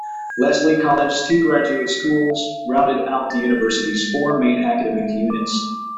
Lesley College's two graduate schools rounded out the university's four main academic units.